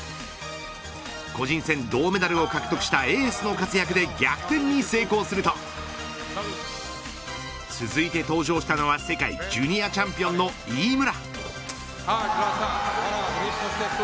個人戦銅メダルを獲得したエースの活躍で逆転に成功すると続いて登場したのは世界ジュニアチャンピオンの飯村。